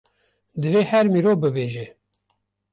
divê her mirov bibêje